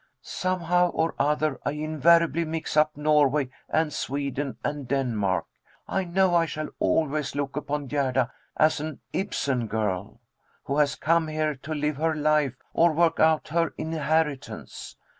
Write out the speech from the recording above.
"Somehow or other, I invariably mix up Norway and Sweden and Denmark. I know I shall always look upon Gerda as an Ibsen girl, who has come here to 'live her life,' or 'work out her inheritance.'